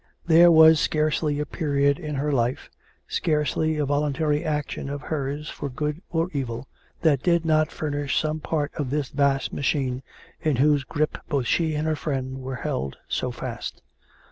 There was scarcely a period in her life, scarcely a voluntary action of hers for good or evil, that did not furnish some part of this vast machine in whose grip both she and her friend were held so fast.